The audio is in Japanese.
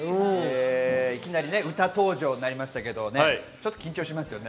いきなり歌登場になりましたけど、緊張しましたよね。